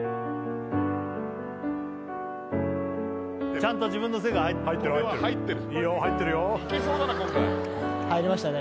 ちゃんと自分の世界入ってる入ってる入ってるいいよ入ってるよいけそうだな今回入りましたね